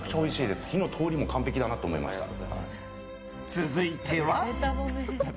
続いては。